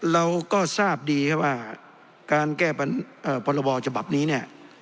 เราก็ทราบดีว่าการแก้ประบอบจบับนี้เนี่ย